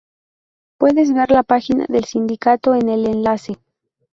Puedes ver la página del Sindicato en el enlace.